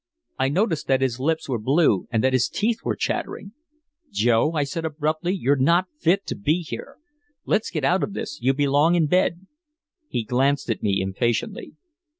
I noticed that his lips were blue and that his teeth were chattering. "Joe," I said abruptly, "you're not fit to be here. Let's get out of this, you belong in bed." He glanced at me impatiently.